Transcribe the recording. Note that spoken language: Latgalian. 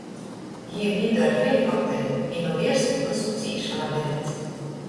Jī lidoj ar helikopterim i nu viersa vysu cīš labi redz.